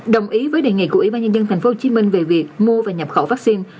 đồng ý với đề nghị của ủy ban nhân dân tp hcm về việc mua và nhập khẩu vaccine